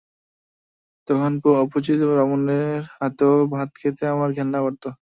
তখন অপরিচিত বামুনের হাতেও ভাত খেতে আমার ঘেন্না করত।